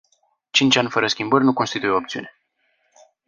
Cinci ani fără schimbări nu constituie o opțiune.